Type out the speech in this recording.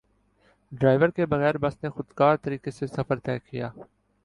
driver کے بغیر bus نے خودکار طریقے سے سفر طے کیا